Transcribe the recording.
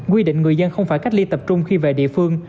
quy định người dân không phải cách ly tập trung khi về địa phương